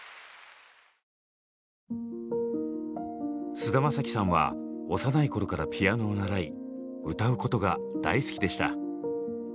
菅田将暉さんは幼い頃からピアノを習い歌うことが大好きでした。